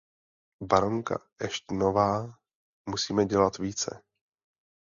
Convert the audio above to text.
Baronko Ashtonová, musíme dělat více.